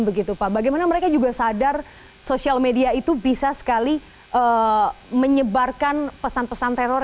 bagaimana mereka juga sadar sosial media itu bisa sekali menyebarkan pesan pesan teror